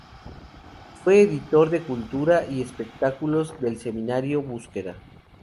Fue editor de cultura y espectáculos del Semanario "Búsqueda".